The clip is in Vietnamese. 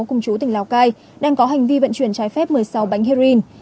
cùng chú tỉnh lào cai đang có hành vi vận chuyển trái phép một mươi sáu bánh heroin